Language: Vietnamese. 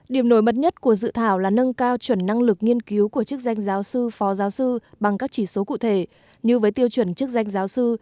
điểm nổi bật nhất của dự thảo là nâng cao chuẩn năng lực nghiên cứu của chức danh giáo sư phó giáo sư bằng các chỉ số cụ thể như với tiêu chuẩn chức danh giáo sư